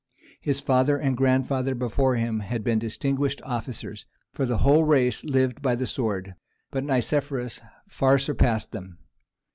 His father and grandfather before him had been distinguished officers, for the whole race lived by the sword, but Nicephorus far surpassed them.